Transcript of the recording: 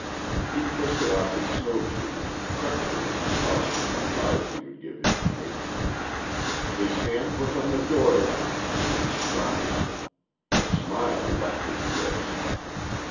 He twisted off his snow shoes, chuckling as he thought of the surprise he would give his mate. His hand was on the door latch when he stopped. The smile left his lips.